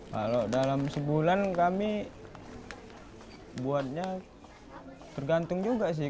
kalau dalam sebulan kami buatnya tergantung juga sih